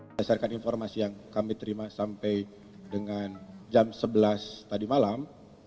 berdasarkan informasi yang kami terima sampai dengan jam sebelas tadi malam